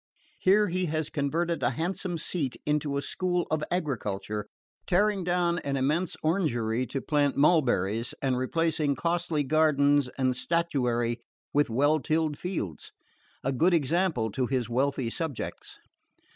Here he has converted a handsome seat into a school of agriculture, tearing down an immense orangery to plant mulberries, and replacing costly gardens and statuary by well tilled fields: a good example to his wealthy subjects.